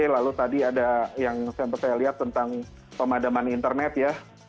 lalu tadi ada yang saya lihat tentang pemadaman internet ya